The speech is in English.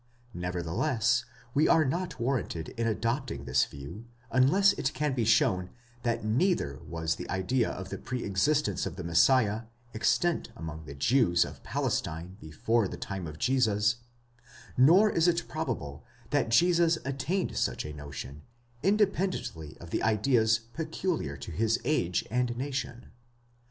Nevertheless, we are not warranted in adopting this view, unless it can be shown that neither was the idea of the pre existence of the Messiah extant among the Jews of Palestine before the time of Jesus, nor is it probable that Jesus attained such a notion, independently of the ideas peculiar to his age and nation.